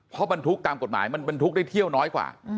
เพราะบรรทุกตามกฎหมายมันบรรทุกได้เที่ยวน้อยกว่า